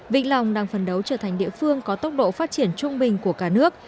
vĩnh long đang phần đấu trở thành địa phương có tốc độ phát triển trung bình của cả nước